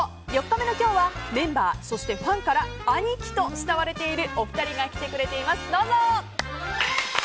４日目の今日はメンバーそしてファンから兄貴と慕われているお二人が来てくれています。